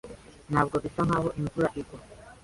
Ntabwo bisa nkaho imvura igwa.